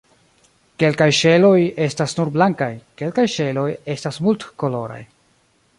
Kelkaj ŝeloj estas nur blankaj, kelkaj ŝeloj estas multkoloraj.